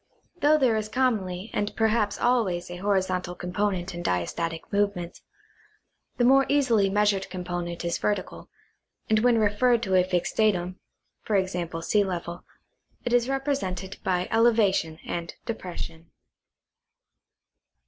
Though there is commonly and perhaps always a horizontal com ponent in diastatic movement, the more easily measured compo nent is vertical, and when referred to a fixed datum [e. g. sea level) it is represented by elevation and depression.